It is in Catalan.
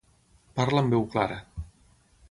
Parla amb veu clara.